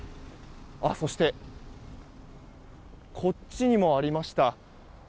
そして、こっちにもありました。